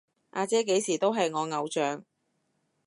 阿姐幾時都係我偶像